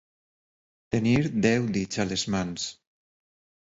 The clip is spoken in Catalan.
Tenir deu dits a les mans.